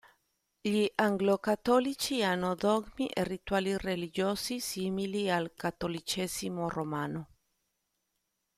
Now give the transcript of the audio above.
Gli anglo-cattolici hanno dogmi e rituali religiosi simili al cattolicesimo romano.